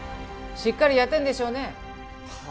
しっかりやってんでしょうねは